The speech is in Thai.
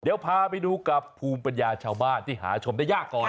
เดี๋ยวพาไปดูกับภูมิปัญญาชาวบ้านที่หาชมได้ยากก่อน